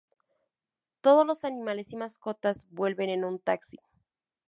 Todos los animales y mascotas vuelven en un taxi.